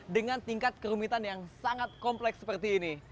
dengan tingkat kerumitan yang sangat kompleks seperti ini